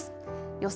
予想